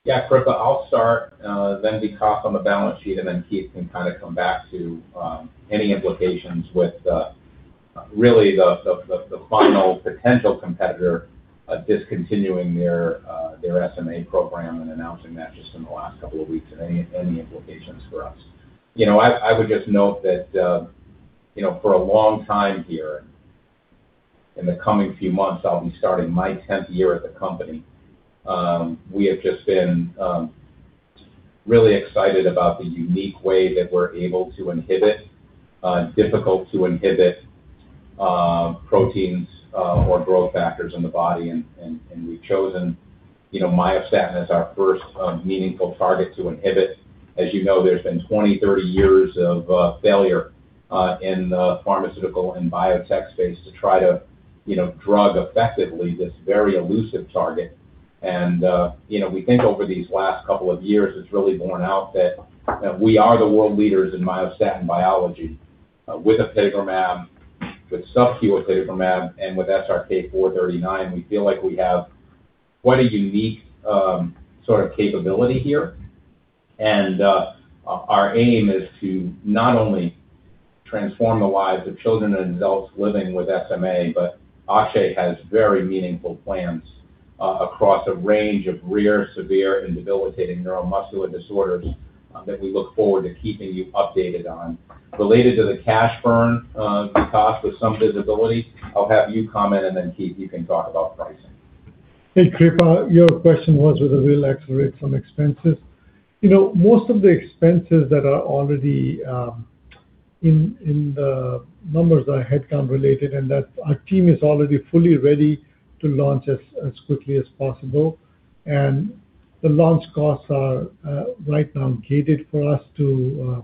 Yeah, Kripa, I'll start, then Vikas on the balance sheet, and then Keith can kind of come back to any implications with really the final potential competitor discontinuing their SMA program and announcing that just in the last couple of weeks and any implications for us. You know, I would just note that, you know, for a long time here, in the coming few months I'll be starting my 10th year at the company, we have just been really excited about the unique way that we're able to inhibit difficult to inhibit proteins or growth factors in the body. We've chosen, you know, myostatin as our first meaningful target to inhibit. As you know, there's been 20, 30 years of failure in the pharmaceutical and biotech space to try to, you know, drug effectively this very elusive target. We think over these last couple of years, it's really borne out that we are the world leaders in myostatin biology with Apitegromab, with subcutaneous Apitegromab, and with SRK-439. We feel like we have quite a unique sort of capability here. Our aim is to not only transform the lives of children and adults living with SMA, but Akshay has very meaningful plans across a range of rare, severe, and debilitating neuromuscular disorders that we look forward to keeping you updated on. Related to the cash burn, Vikas, with some visibility, I'll have you comment, and then Keith, you can talk about pricing. Hey, Kripa. Your question was, would we accelerate some expenses? You know, most of the expenses that are already in the numbers are headcount related and that our team is already fully ready to launch as quickly as possible. The launch costs are right now gated for us to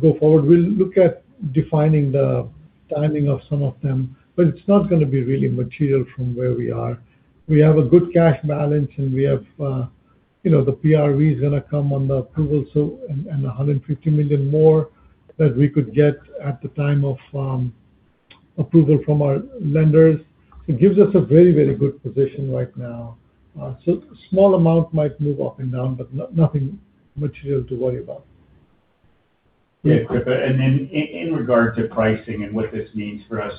go forward. We'll look at defining the timing of some of them, but it's not gonna be really material from where we are. We have a good cash balance, and we have, you know, the PRV is gonna come on the approval, so and $150 million more that we could get at the time of approval from our lenders. It gives us a very, very good position right now. So small amount might move up and down, but nothing material to worry about. Yeah. Kripa. Then in regard to pricing and what this means for us,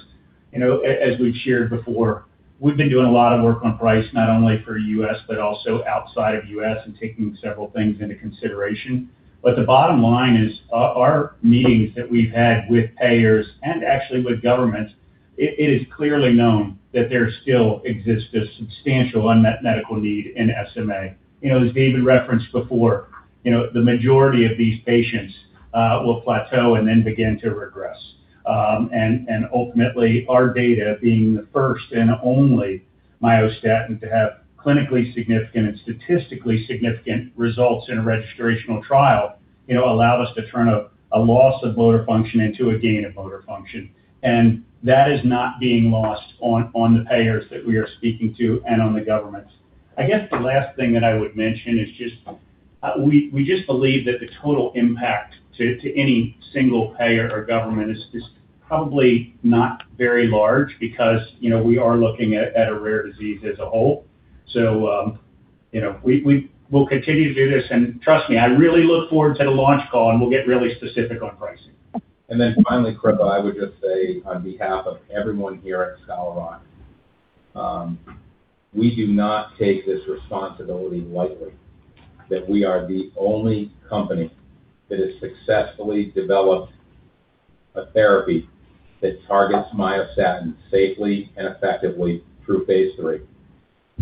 you know, as we've shared before, we've been doing a lot of work on pricing, not only for U.S., but also outside of U.S. and taking several things into consideration. The bottom line is our meetings that we've had with payers and actually with governments, it is clearly known that there still exists a substantial unmet medical need in SMA. You know, as David referenced before, you know, the majority of these patients will plateau and then begin to regress. And ultimately, our data being the first and only myostatin to have clinically significant and statistically significant results in a registrational trial, you know, allow us to turn a loss of motor function into a gain of motor function. That is not being lost on the payers that we are speaking to and on the governments. I guess the last thing that I would mention is just we just believe that the total impact to any single payer or government is probably not very large because, you know, we are looking at a rare disease as a whole. You know, we will continue to do this. Trust me, I really look forward to the launch call, and we'll get really specific on pricing. Then finally, Kripa, I would just say on behalf of everyone here at Scholar Rock, we do not take this responsibility lightly that we are the only company that has successfully developed a therapy that targets myostatin safely and effectively through phase III.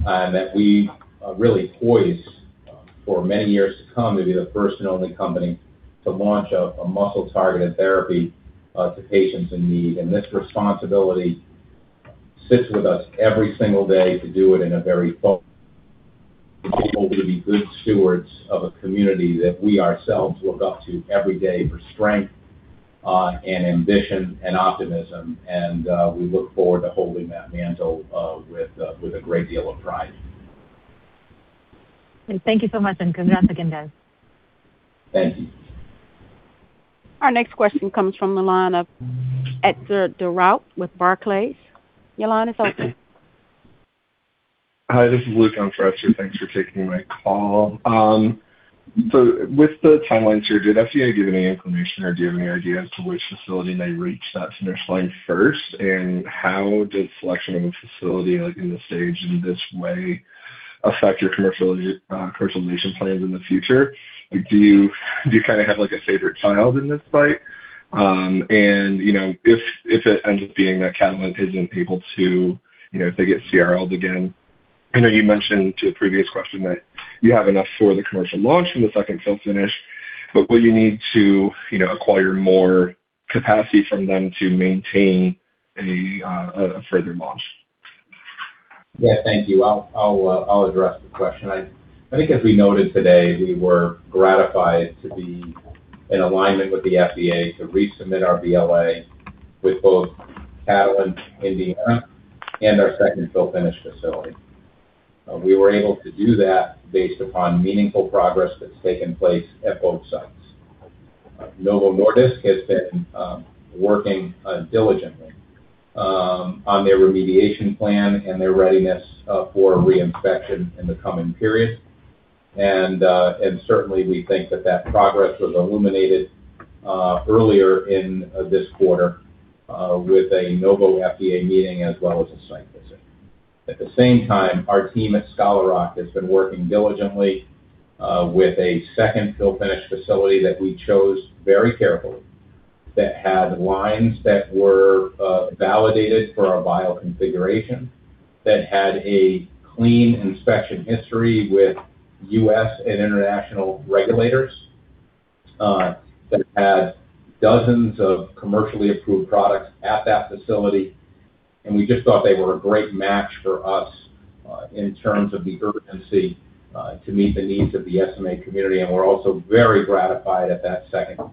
That we are really poised for many years to come to be the first and only company to launch a muscle-targeted therapy to patients in need. This responsibility sits with us every single day to do it in a very focused to be good stewards of a community that we ourselves look up to every day for strength and ambition and optimism. We look forward to holding that mantle with a great deal of pride. Thank you so much, and congrats again, guys. Thank you. Our next question comes from the line of Etzer Darout with Barclays. Your line is open. Hi, this is Luke on for Etzer. Thanks for taking my call. So with the timeline shared, did FDA give any inclination or do you have any idea as to which facility may reach that initial first? How does selection of a facility like in this stage in this way affect your commercialization plans in the future? Do you kinda have like a favorite child in this fight? You know, if it ends up being that Catalent isn't able to, you know, if they get CRL'd again. I know you mentioned to a previous question that you have enough for the commercial launch from the second fill-finish, but will you need to, you know, acquire more capacity from them to maintain a further launch? Yeah, thank you. I'll address the question. I think as we noted today, we were gratified to be in alignment with the FDA to resubmit our BLA with both Catalent Indiana and our second fill-finish facility. We were able to do that based upon meaningful progress that's taken place at both sites. Novo Nordisk has been working diligently on their remediation plan and their readiness for reinspection in the coming period. Certainly we think that progress was illuminated earlier in this quarter with a Novo Nordisk FDA meeting as well as a site visit. At the same time, our team at Scholar Rock has been working diligently with a second fill-finish facility that we chose very carefully that had lines that were validated for our vial configuration, that had a clean inspection history with U.S. and international regulators, that had dozens of commercially approved products at that facility. We just thought they were a great match for us in terms of the urgency to meet the needs of the SMA community. We're also very gratified for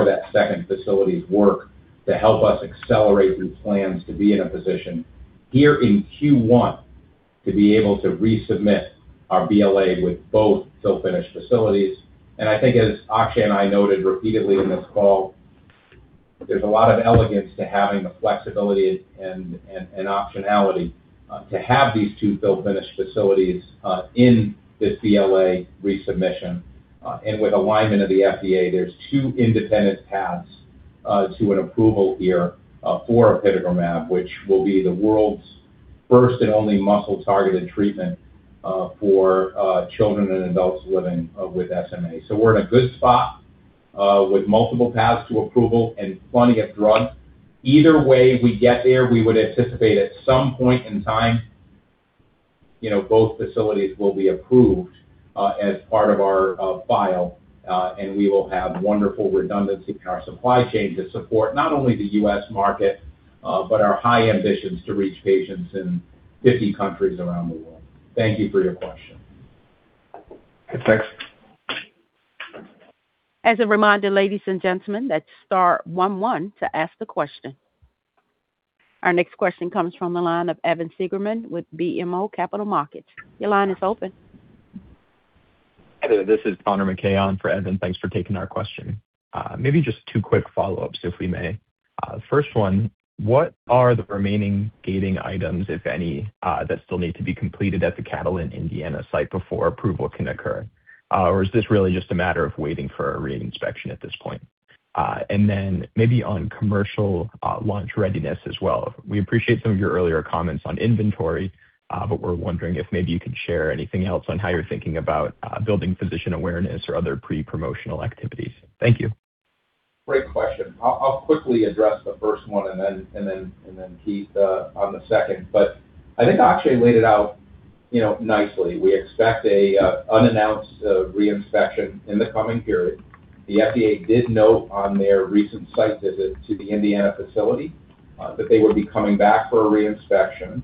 that second facility's work to help us accelerate the plans to be in a position here in Q1 to be able to resubmit our BLA with both fill-finish facilities. I think as Akshay and I noted repeatedly in this call, there's a lot of elegance to having the flexibility and optionality to have these two fill-finish facilities in this BLA resubmission. With alignment of the FDA, there's two independent paths to an approval here for Apitegromab, which will be the world's first and only muscle-targeted treatment for children and adults living with SMA. We're in a good spot with multiple paths to approval and plenty of drug. Either way we get there, we would anticipate at some point in time, you know, both facilities will be approved as part of our file, and we will have wonderful redundancy in our supply chain to support not only the U.S. market but our high ambitions to reach patients in 50 countries around the world. Thank you for your question. Thanks. As a reminder, ladies, and gentlemen, that's star one one to ask the question. Our next question comes from the line of Evan Seigerman with BMO Capital Markets. Your line is open. Hi there, this is Conor MacKay on for Evan. Thanks for taking our question. Maybe just two quick follow-ups, if we may. The first one, what are the remaining gating items, if any, that still need to be completed at the Catalent Indiana site before approval can occur? Or is this really just a matter of waiting for a reinspection at this point? And then maybe on commercial launch readiness as well. We appreciate some of your earlier comments on inventory, but we're wondering if maybe you could share anything else on how you're thinking about building physician awareness or other pre-promotional activities. Thank you. Great question. I'll quickly address the first one and then Keith on the second. But I think Akshay laid it out, you know, nicely. We expect an unannounced reinspection in the coming period. The FDA did note on their recent site visit to the Indiana facility that they would be coming back for a reinspection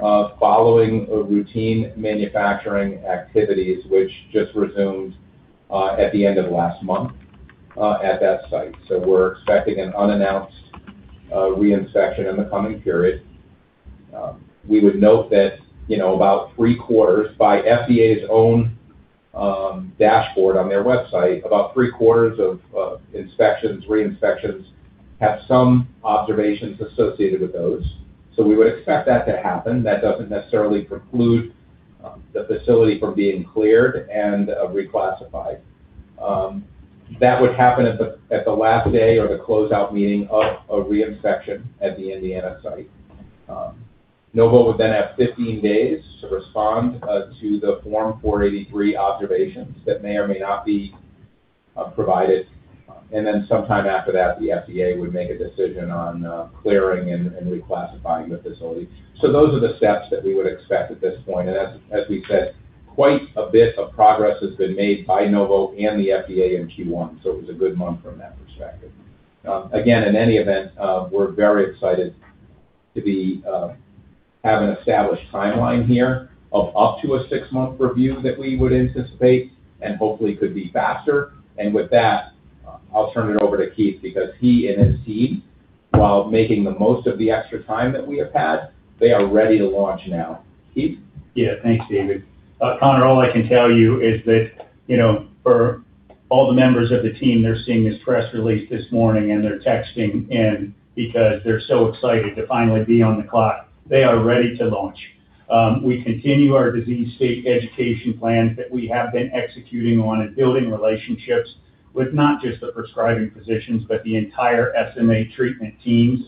following routine manufacturing activities, which just resumed at the end of last month at that site. So we're expecting an unannounced reinspection in the coming period. We would note that, you know, about three-quarters, by FDA's own dashboard on their website, of re-inspections have some observations associated with those. So we would expect that to happen. That doesn't necessarily preclude the facility from being cleared and reclassified. That would happen at the last day or the closeout meeting of a reinspection at the Indiana site. Novo would then have 15 days to respond to the Form 483 observations that may or may not be provided. Sometime after that, the FDA would make a decision on clearing and reclassifying the facility. Those are the steps that we would expect at this point. As we've said, quite a bit of progress has been made by Novo and the FDA in Q1. It was a good month from that perspective. Again, in any event, we're very excited to have an established timeline here of up to a six-month review that we would anticipate and hopefully could be faster. With that, I'll turn it over to Keith because he and his team, while making the most of the extra time that we have had, they are ready to launch now. Keith? Yeah. Thanks, David. Conor, all I can tell you is that, you know, for all the members of the team, they're seeing this press release this morning, and they're texting in because they're so excited to finally be on the clock. They are ready to launch. We continue our disease state education plans that we have been executing on and building relationships with not just the prescribing physicians, but the entire SMA treatment teams.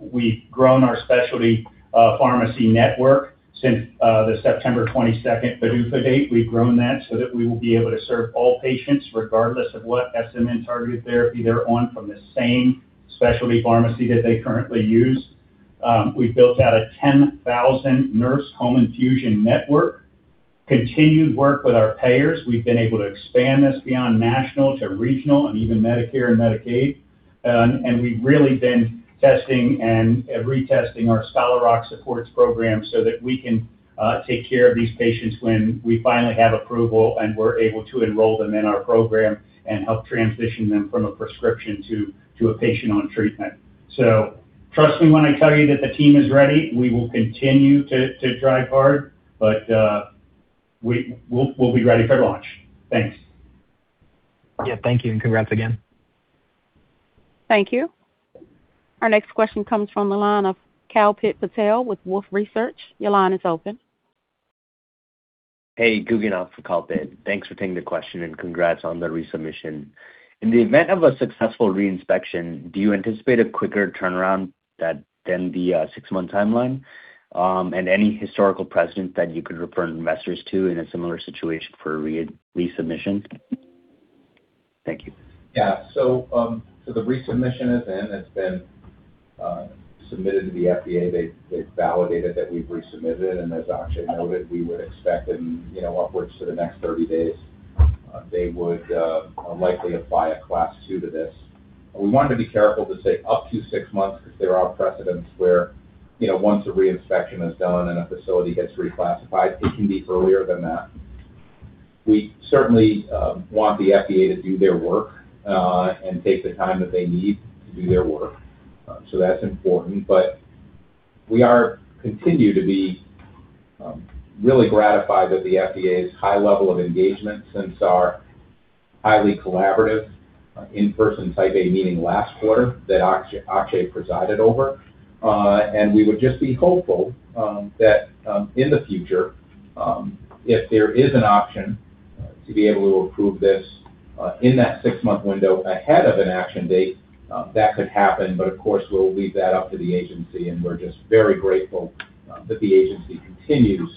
We've grown our specialty pharmacy network since the September 22nd PDUFA date. We've grown that so that we will be able to serve all patients regardless of what SMA-targeted therapy they're on from the same Specialty pharmacy that they currently use. We've built out a 10,000-nurse home infusion network. Continued work with our payers. We've been able to expand this beyond national to regional and even Medicare and Medicaid. We've really been testing and retesting our Scholar Rock Supports program so that we can take care of these patients when we finally have approval, and we're able to enroll them in our program and help transition them from a prescription to a patient on treatment. Trust me when I tell you that the team is ready. We will continue to drive hard, but we'll be ready for launch. Thanks. Yeah, thank you and congrats again. Thank you. Our next question comes from the line of Kalpit Patel with Wolfe Research. Your line is open. Hey, Gugan on for Kalpit. Thanks for taking the question, and congrats on the resubmission. In the event of a successful re-inspection, do you anticipate a quicker turnaround than the six-month timeline? And any historical precedent that you could refer investors to in a similar situation for a re-resubmission? Thank you. Yeah. The resubmission is in. It's been submitted to the FDA. They've validated that we've resubmitted it, and as Akshay noted, we would expect in, you know, upwards to the next 30 days, they would likely apply a Class 2 to this. We wanted to be careful to say up to six months because there are precedents where, you know, once a re-inspection is done and a facility gets reclassified, it can be earlier than that. We certainly want the FDA to do their work and take the time that they need to do their work. That's important. We are continue to be really gratified with the FDA's high level of engagement since our highly collaborative in-person Type A meeting last quarter that Akshay presided over. We would just be hopeful that in the future, if there is an option to be able to approve this in that six-month window ahead of an action date, that could happen. Of course, we'll leave that up to the agency, and we're just very grateful that the agency continues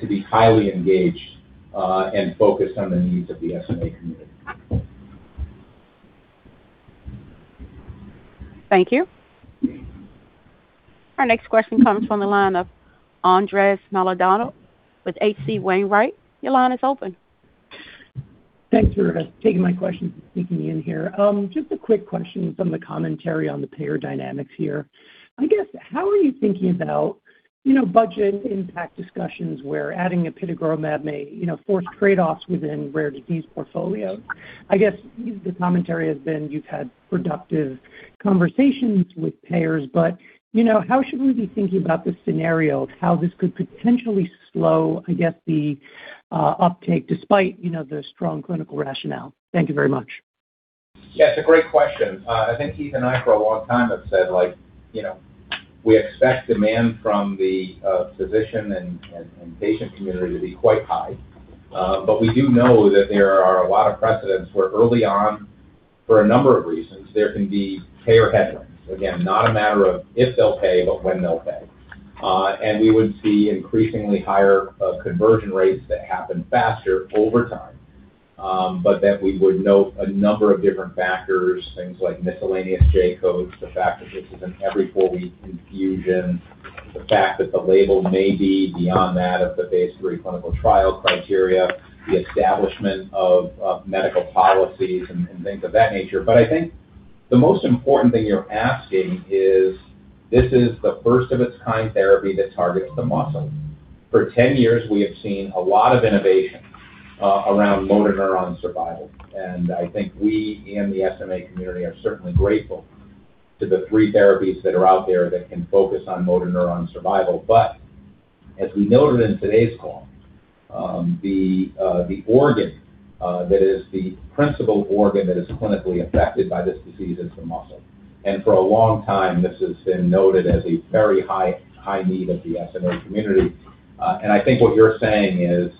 to be highly engaged and focused on the needs of the SMA community. Thank you. Our next question comes from the line of Andres Maldonado with H.C. Wainwright. Your line is open. Thanks for taking my question and sneaking me in here. Just a quick question from the commentary on the payer dynamics here. I guess, how are you thinking about, you know, budget impact discussions where adding Apitegromab may, you know, force trade-offs within rare disease portfolios? I guess the commentary has been you've had productive conversations with payers, but, you know, how should we be thinking about the scenario of how this could potentially slow, I guess, the uptake despite, you know, the strong clinical rationale? Thank you very much. Yeah, it's a great question. I think Keith and I for a long time have said, like, you know, we expect demand from the physician and patient community to be quite high. We do know that there are a lot of precedents where early on, for a number of reasons, there can be payer headwinds. Again, not a matter of if they'll pay, but when they'll pay. We would see increasingly higher conversion rates that happen faster over time. That we would note a number of different factors, things like miscellaneous J-codes, the fact that this is an every-four-week infusion, the fact that the label may be beyond that of the phase III clinical trial criteria, the establishment of medical policies, and things of that nature. I think the most important thing you're asking is this is the first-of-its-kind therapy that targets the muscle. For 10 years, we have seen a lot of innovation around motor neuron survival, and I think we in the SMA community are certainly grateful to the three therapies that are out there that can focus on motor neuron survival. As we noted in today's call, the organ that is the principal organ that is clinically affected by this disease is the muscle. For a long time, this has been noted as a very high need of the SMA community. I think what you're saying is,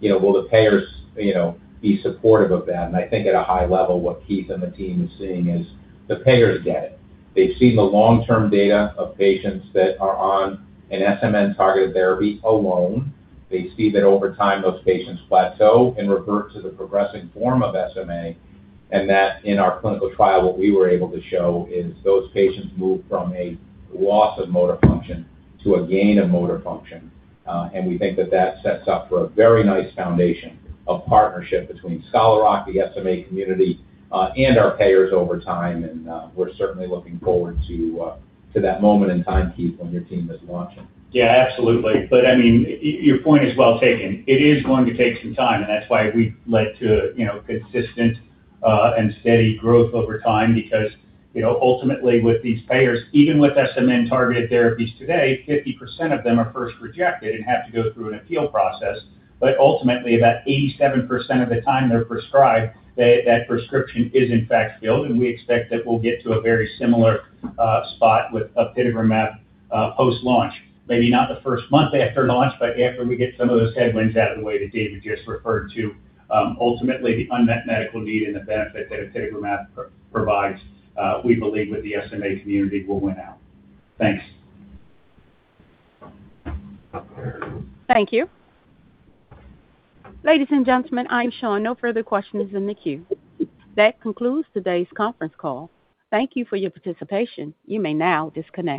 you know, will the payers, you know, be supportive of that. I think at a high level, what Keith and the team is seeing is the payers get it. They've seen the long-term data of patients that are on an SMN-targeted therapy alone. They see that over time, those patients plateau and revert to the progressing form of SMA, and that in our clinical trial, what we were able to show is those patients move from a loss of motor function to a gain of motor function. We think that that sets up for a very nice foundation of partnership between Scholar Rock, the SMA community, and our payers over time. We're certainly looking forward to that moment in time, Keith, when your team is launching. Yeah, absolutely. I mean, your point is well taken. It is going to take some time, and that's why we lead to, you know, consistent and steady growth over time because, you know, ultimately with these payers, even with SMN-targeted therapies today, 50% of them are first rejected and have to go through an appeal process. Ultimately, about 87% of the time they're prescribed, that prescription is in fact filled, and we expect that we'll get to a very similar spot with Apitegromab post-launch. Maybe not the first month after launch, but after we get some of those headwinds out of the way that David just referred to. Ultimately, the unmet medical need and the benefit that Apitegromab provides, we believe with the SMA community will win out. Thanks. Thank you. Ladies, and gentlemen, I'm showing no further questions in the queue. That concludes today's conference call. Thank you for your participation. You may now disconnect.